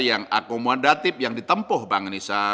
yang akomodatif yang ditempuh bank nusa